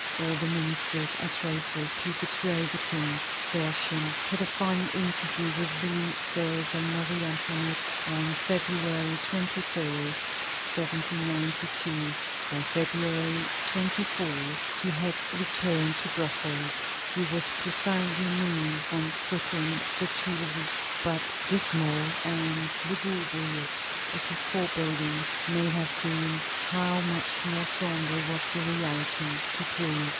All the ministers are traitors who betray the King." Fersen had a final interview with Louis XVI. and Marie Antoinette on February 21, 1792. By February 24, he had returned to Brussels. He was profoundly moved on quitting the Tuileries, but, dismal and lugubrious as his forebodings may have been, how much more sombre was the reality to prove!